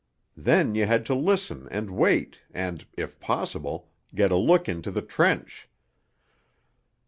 Then you had to listen and wait, and, if possible, get a look into the trench.